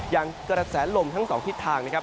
อย่างกระแสลมทั้งสองทิศทางนะครับ